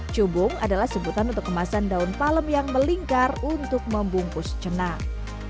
cubung adalah sebutan untuk kemasan daun palem yang melingkar untuk membungkus jenang